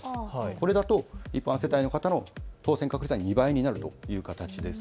これだと一般世帯の方の当せん確率は２倍になるという形です。